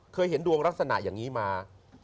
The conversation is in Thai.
เคยเห็นดวงลักษณะอย่างนี้มา